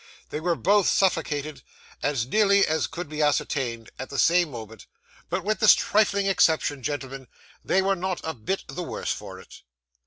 They were both suffocated, as nearly as could be ascertained, at the same moment, but with this trifling exception, gentlemen, they were not a bit the worse for it.